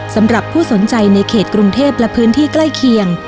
สำหรับผู้สนใจในเขตกรุงเทพและพื้นที่ใกล้เคียง